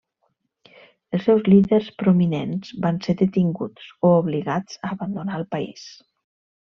Els seus líders prominents van ser detinguts o obligats a abandonar el país.